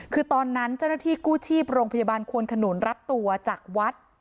คือตอนนั้นเจ้าหน้าที่กู้ชีพโรงพยาบาลควนขนุนรับตัวจากวัด